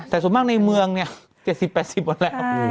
แต่ส่วนมากในเมือง๗๐๘๐บาทแล้ว